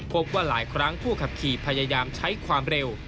พบว่าหลายครั้งผู้ขับขี่พยายามใช้ความเร็ว